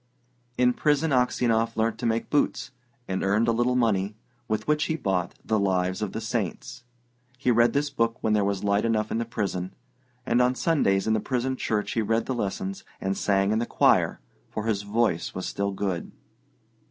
In prison Aksionov learnt to make boots, and earned a little money, with which he bought The Lives of the Saints. He read this book when there was light enough in the prison; and on Sundays in the prison church he read the lessons and sang in the choir; for his voice was still good.